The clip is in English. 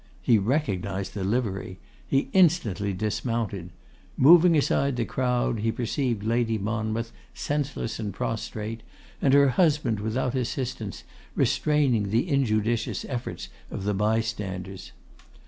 He recognised the livery. He instantly dismounted. Moving aside the crowd, he perceived Lady Monmouth senseless and prostrate, and her husband, without assistance, restraining the injudicious efforts of the bystanders.